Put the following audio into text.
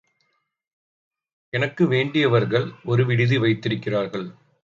எனக்கு வேண்டியவர்கள் ஒரு விடுதி வைத்திருக்கிறார்கள்.